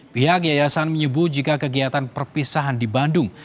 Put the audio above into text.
pihak yayasan menyebut jika kegiatan perpisahan di bandung